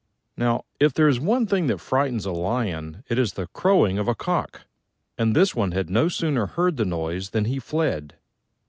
Now, if there is one thing that frightens a Lion, it is the crowing of a Cock: and this one had no sooner heard the noise than he fled.